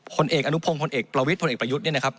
ผลเอกอนุพงศ์พลเอกประวิทธพลเอกประยุทธ์เนี่ยนะครับ